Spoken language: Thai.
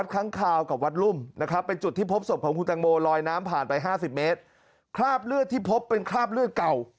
ของคุณตังโมรอยน้ำผ่านไป๕๐เมตรคราบเลือดที่พบเป็นคราบเลือดเก่า